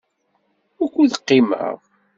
Wukud qimeɣ?